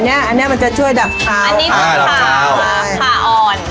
อันเนี้ยอันเนี้ยมันจะช่วยดับเผาอ่าดับเผาใช่ผ้าอ่อน